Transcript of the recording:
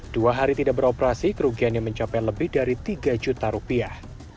dua hari tidak beroperasi kerugiannya mencapai lebih dari tiga juta rupiah